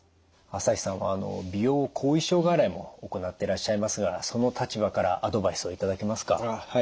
朝日さんは美容後遺症外来も行ってらっしゃいますがその立場からアドバイスを頂けますか？